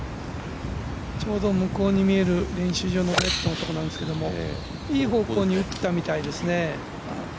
ちょうど向こうに見える練習場のところなんですけどいい方向に打ったみたいですね。